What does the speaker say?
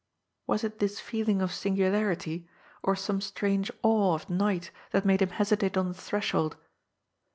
Was it this feeling of singularity, or some strange awe of night that made him hesitate on the threshold?